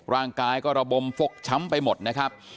ร่างกายก็ระบมฟกช้ำไปหมดนะครับ